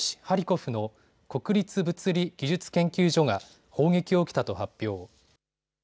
ハリコフの国立物理技術研究所が砲撃を受けたと発表。